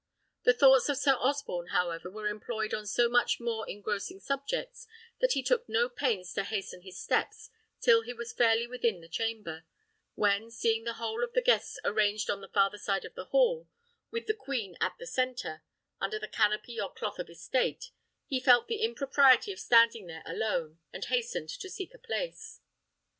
The thoughts of Sir Osborne, however, were employed on so much more engrossing subjects, that he took no pains to hasten his steps till he was fairly within the chamber, when, seeing the whole of the guests arranged on the farther side of the hall, with the queen in the centre, under her canopy or cloth of estate, he felt the impropriety of standing there alone, and hastened to seek a place.